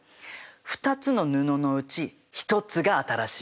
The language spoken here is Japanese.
２つの布のうち一つが新しいもの